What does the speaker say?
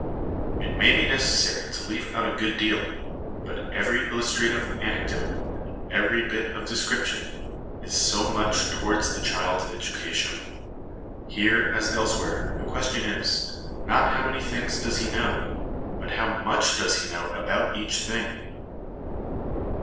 It may be necessary to leave out a good deal, but every illus trative anecdote, every bit of description, is so much towards the child's education. Here, as elsewhere, the question is, not how many things does he know, but how much does he know about each thing.